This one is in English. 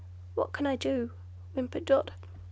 "What can I do?" whimpered Dot.